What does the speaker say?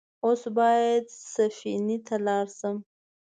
اوس بايد سفينې ته لاړ شم.